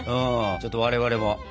ちょっと我々も。